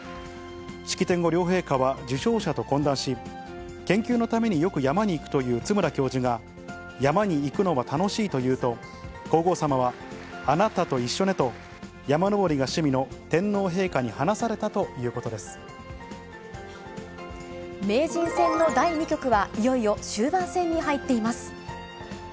式典後、両陛下は受賞者と懇談し、研究のためによく山に行くという津村教授が、山に行くのは楽しいと言うと、皇后さまは、あなたと一緒ねと、山登りが趣味の天皇陛下に話されたということ名人戦の第２局は、いよいよ終盤戦に入っています。